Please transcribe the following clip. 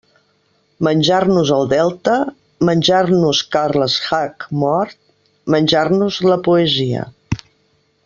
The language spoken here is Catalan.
Menjar-nos el Delta, menjar-nos Carles Hac-mor, menjar-nos la poesia.